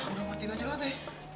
udah matiin aja lah teh